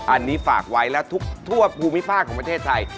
อันนี้ฝากไว้และทุกทั่วภูมิภาคของประเทศไทย